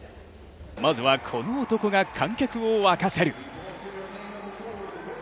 まずはこの男が観客を沸かせる。